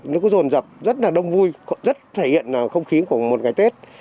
nó có rồn rập rất là đông vui rất thể hiện là không khí của một ngày tết